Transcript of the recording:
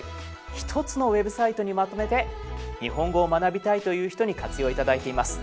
一つのウェブサイトにまとめて「日本語を学びたい」という人に活用いただいています。